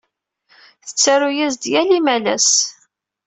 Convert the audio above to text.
Tettaru-as-d yal imalas.